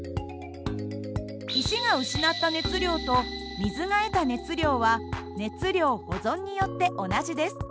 石が失った熱量と水が得た熱量は熱量保存によって同じです。